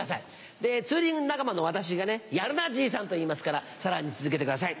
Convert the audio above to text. でツーリング仲間の私が「やるなじいさん」と言いますからさらに続けてください。